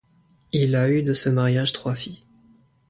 Il a eu de ce mariage trois filles.